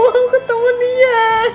aku gak mau ketemu dia